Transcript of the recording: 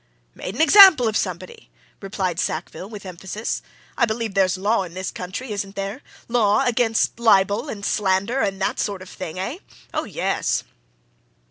"Made an example of somebody," replied Sackville, with emphasis. "I believe there's law in this country, isn't there? law against libel and slander, and that sort of thing, eh? Oh, yes!"